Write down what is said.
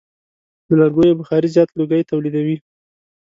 د لرګیو بخاري زیات لوګی تولیدوي.